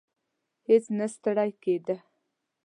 هیڅ نه ستړی کېدی.